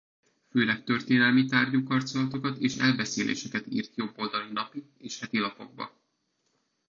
Főleg történelmi tárgyú karcolatokat és elbeszéléseket írt jobboldali napi- és hetilapokba.